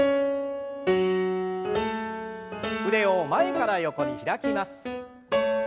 腕を前から横に開きます。